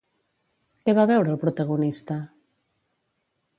Què va veure el protagonista?